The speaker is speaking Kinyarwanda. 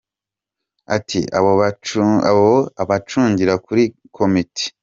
Ati :« abo abacungira kuri uminité